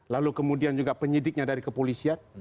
lalu kemudian juga penyidiknya dari kepolisian